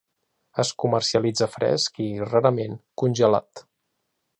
Es comercialitza fresc i, rarament, congelat.